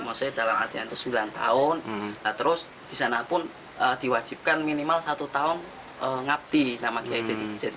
masih dalam adanya sembilan tahun terus di sana pun diwajibkan minimal satu tahun ngabdi sama jadi